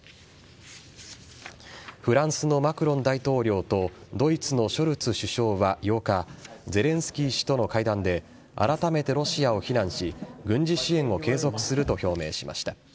フランスのマクロン大統領とドイツのショルツ首相は８日ゼレンスキー氏との会談であらためてロシアを非難し軍事支援を継続すると表明しました。